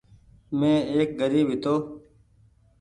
مين ايڪ گريب هيتو ۔